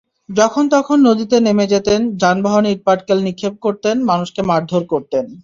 যখন-তখন নদীতে নেমে যেতেন, যানবাহনে ইটপাটকেল নিক্ষেপ করতেন, মানুষকে মারধর করতেন।